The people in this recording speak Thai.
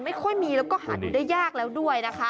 ไม่ค่อยมีแล้วก็หาดูได้ยากแล้วด้วยนะคะ